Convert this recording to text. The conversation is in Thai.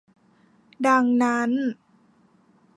ดังนั้น